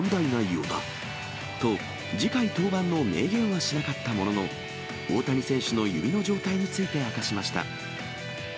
と、次回登板の明言はしなかったものの、大谷選手の指の状態について明かしました。